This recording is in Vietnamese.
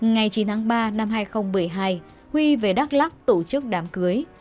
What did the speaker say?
ngày chín tháng ba năm hai nghìn một mươi hai huy về đắk lắc tổ chức đám cưới